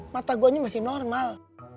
mata gue ini masih normal